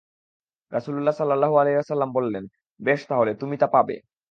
রাসূলুল্লাহ সাল্লাল্লাহু আলাইহি ওয়াসাল্লাম বললেন, বেশ তাহলে তুমি তা পাবে।